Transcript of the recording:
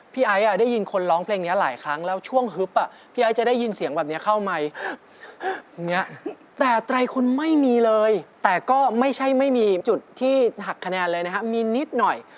เพราะไม่ใช่ไม่มีจุดที่หักคะแนนเลยนะครับมีนิดหน่อย